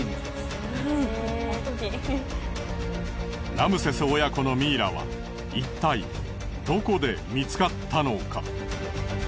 ラムセス親子のミイラはいったいどこで見つかったのか？